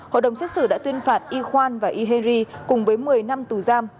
hội đồng xét xử đã tuyên phạt yihuan và yihiri cùng với một mươi năm tù giam